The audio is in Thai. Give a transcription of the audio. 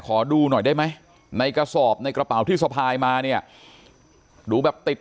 ขอดูหน่อยได้ไหมในกระสอบในกระเป๋าที่สะพายมาเนี่ยดูแบบติด